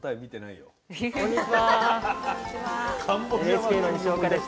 ＮＨＫの西岡です。